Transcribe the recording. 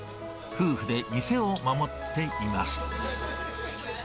夫婦で店を守っています。